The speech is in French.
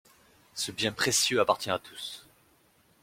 Ce bien précieux appartient à tous.